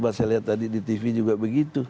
bahasa lihat tadi di tv juga begitu